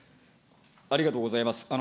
ありがとうございます。